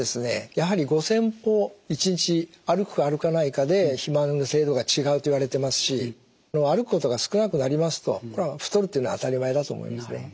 やはり５，０００歩１日歩くか歩かないかで肥満の程度が違うといわれてますし歩くことが少なくなりますと太るというのは当たり前だと思いますね。